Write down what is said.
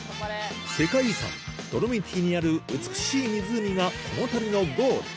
世界遺産ドロミティにある美しい湖がこの旅のゴール